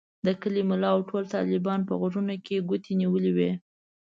د کلي ملا او ټولو طالبانو په غوږونو کې ګوتې نیولې وې.